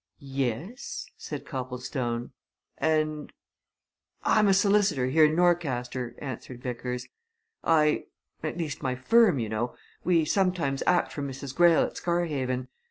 "Yes?" said Copplestone. "And " "I'm a solicitor, here in Norcaster," answered Vickers. "I at least, my firm, you know we sometimes act for Mrs. Greyle at Scarhaven.